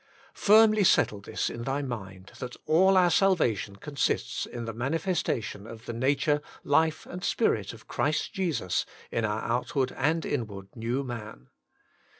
" Firmly settle this in thy mind, that all our salvation consists in the manifestation of the nature, life and spirit of Christ Jesus in our out ward and inward new man.